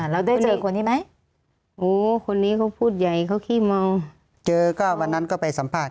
แล้วได้เจอคนนี้ไหมโอ้คนนี้เขาพูดใหญ่เขาขี้เมาเจอก็วันนั้นก็ไปสัมภาษณ